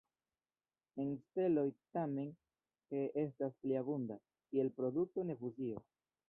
En steloj, tamen, He estas pli abunda, kiel produkto de fuzio.